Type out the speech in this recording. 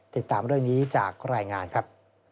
ติดตามเรื่องนี้จากรายงานครับ